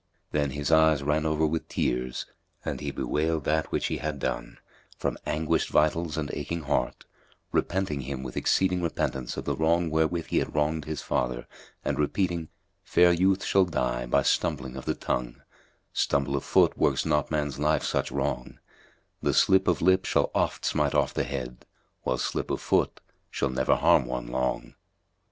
Then his eyes ran over with tears and he bewailed that which he had done, from anguished vitals and aching heart, repenting him with exceeding repentance of the wrong wherewith he had wronged his father and repeating, "Fair youth shall die by stumbling of the tongue: * Stumble of foot works not man's life such wrong: The slip of lip shall oft smite off the head, * While slip of foot shall never harm one long."